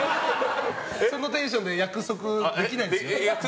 そのテンションで約束できないです。